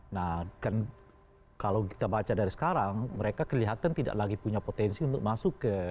nah kan kalau kita baca dari sekarang mereka kelihatan tidak lagi punya potensi untuk masuk ke